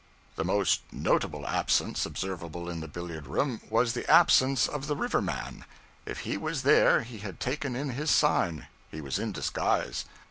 The most notable absence observable in the billiard room, was the absence of the river man. If he was there he had taken in his sign, he was in disguise.